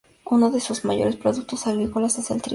Uno de sus mayores productos agrícolas es el trigo.